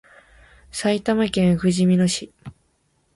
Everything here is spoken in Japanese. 埼玉県ふじみ野市